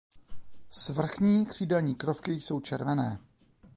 Svrchní křídelní krovky jsou červené.